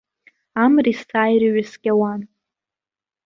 Амра есааира иҩаскьауан.